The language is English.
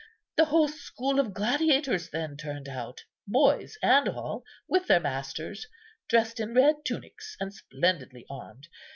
The whole school of gladiators then turned out, boys and all, with their masters, dressed in red tunics, and splendidly armed.